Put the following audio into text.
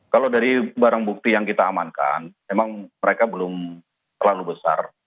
kalau dari barang bukti yang kita amankan memang mereka belum terlalu besar